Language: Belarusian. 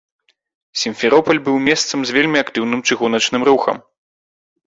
Сімферопаль быў месцам з вельмі актыўным чыгуначным рухам.